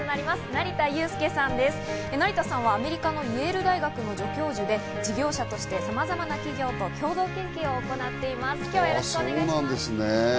成田さんはアメリカのイェール大学の助教授で事業者としてさまざまな企業などと共同研究を行っています。